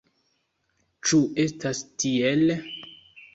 Ĉu estas tiel?